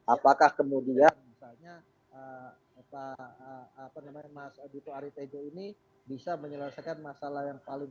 apakah kemudian misalnya pak mas dito aritejo ini bisa menyelesaikan masalah yang paling